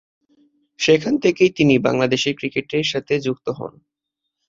সেখান থেকেই তিনি বাংলাদেশের ক্রিকেটের সাথে যুক্ত হন।